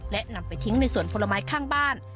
และนำไปทิ้งในสวนผลไม้ข้างบ้าน